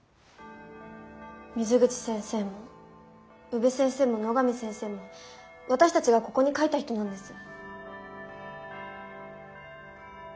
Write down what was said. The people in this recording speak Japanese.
水口先生も宇部先生も野上先生も私たちがここに書いた人なんです。